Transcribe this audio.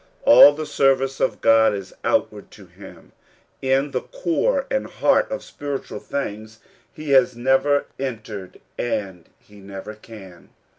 All the service of God is outward to him ; into the core and heart of spiritual things he has never entered, and he never can.